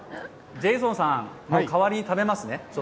ジェイソンさん、代わりに食べますね。